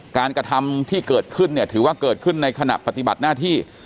กระทำที่เกิดขึ้นเนี่ยถือว่าเกิดขึ้นในขณะปฏิบัติหน้าที่